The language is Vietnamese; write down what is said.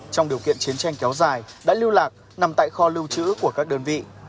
trong điều kiện chiến tranh kéo dài đã lưu lạc nằm tại kho lưu trữ của các đơn vị